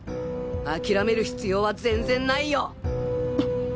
諦める必要は全然ないよ！